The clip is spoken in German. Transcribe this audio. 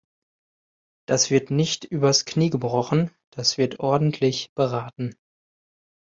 Das wird nicht übers Knie gebrochen, das wird ordentlich beraten.